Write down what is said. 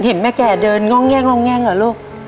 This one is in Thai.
เห็นแม่แก่เดินง่องแง่งเหรอลูก